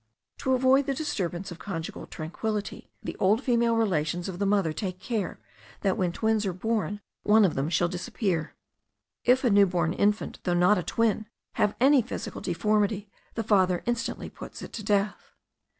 To avoid the disturbance of conjugal tranquillity, the old female relations of the mother take care, that when twins are born one of them shall disappear. If a new born infant, though not a twin, have any physical deformity, the father instantly puts it to death.